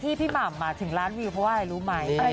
ที่พี่หม่ามมาถึงร้านวิวเพราะว่ารู้มั้ย